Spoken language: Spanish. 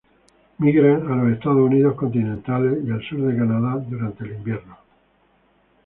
Migran a los Estados Unidos continentales y al sur de Canadá durante el invierno.